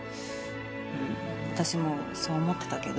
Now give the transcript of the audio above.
うん私もそう思ってたけど。